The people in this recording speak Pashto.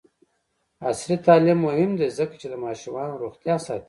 عصري تعلیم مهم دی ځکه چې د ماشومانو روغتیا ساتي.